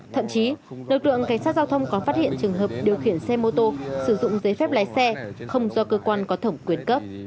thậm chí lực lượng cảnh sát giao thông còn phát hiện trường hợp điều khiển xe mô tô sử dụng giấy phép lái xe không do cơ quan có thẩm quyền cấp